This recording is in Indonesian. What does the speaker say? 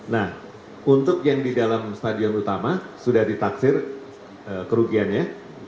nah untuk yang di dalam stadion utama sudah ditaksir kerugiannya